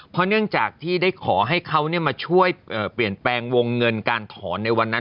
เพราะเนื่องจากที่ได้ขอให้เขามาช่วยเปลี่ยนแปลงวงเงินการถอนในวันนั้น